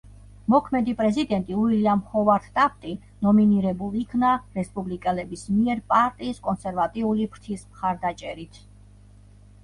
მოქმედი პრეზიდენტი უილიამ ჰოვარდ ტაფტი ნომინირებულ იქნა რესპუბლიკელების მიერ პარტიის კონსერვატიული ფრთის მხარდაჭერით.